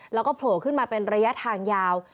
แล้วก็โผล่ขึ้นมาเป็นระยะทางยาว